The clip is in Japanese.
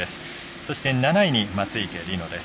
そして７位に松生理乃です。